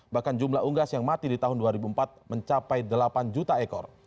bahkan jumlah unggas yang mati di tahun dua ribu empat mencapai delapan juta ekor